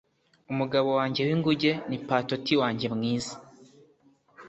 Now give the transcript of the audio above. umugabo wanjye w'inguge ni patootie wanjye mwiza